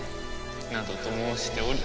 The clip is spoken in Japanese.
などと申しており。